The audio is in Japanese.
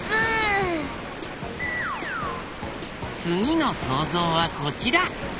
つぎのそうぞうはこちら。